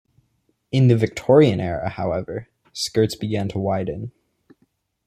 In the Victorian era however, skirts began to widen.